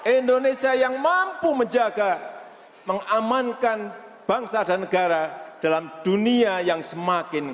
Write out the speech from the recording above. indonesia yang mampu menjaga mengamankan bangsa dan negara dalam dunia yang semakin